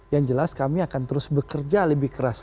yang jelas kami akan terus bekerja lebih keras